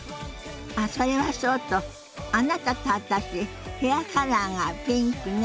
あっそれはそうとあなたと私ヘアカラーがピンクね。